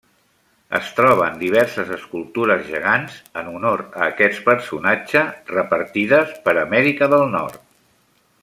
Es troben diverses escultures gegants en honor a aquest personatge repartides per Amèrica del Nord.